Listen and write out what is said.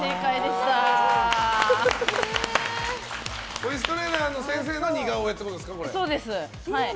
ボイストレーナーの先生の似顔絵ってことですか、これ。